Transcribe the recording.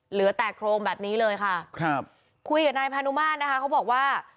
เหลือแต่โครงแบบนี้เลยค่ะครับคุยกับนายพานุมานนะคะเขาบอกว่า